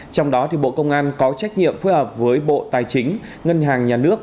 trong đó bộ công an có trách nhiệm phối hợp với bộ tài chính ngân hàng nhà nước